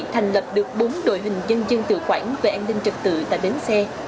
thành lập được bốn đội hình dân dân tự khoản về an ninh trật tự tại bến xe